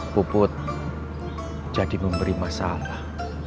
puput jadi memberi masalah